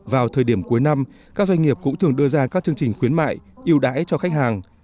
vào thời điểm cuối năm các doanh nghiệp cũng thường đưa ra các chương trình khuyến mại yêu đáy cho khách hàng